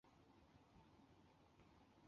我继续走的时候